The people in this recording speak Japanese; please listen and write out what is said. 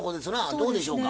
どうでしょうか？